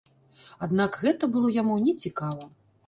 Аднак гэта было яму нецікава.